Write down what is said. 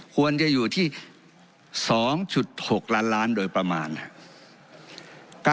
ควรจะอยู่ที่๒๖ล้านล้านโดยประมาณครับ